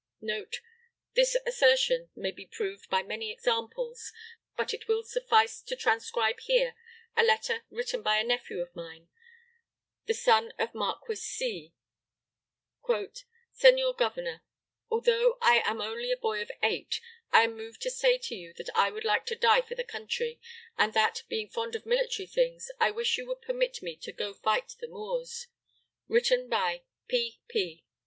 [Note: This assertion might be proved by many examples; but it will suffice to transcribe here a letter written by a nephew of mine, the son of Marquis C . "SENOR GOVERNOR: Although I am only a boy of eight I am moved to say to you that I would like to die for the country, and that, being fond of military things, I wish you would permit me to go fight the Moors. Written by P P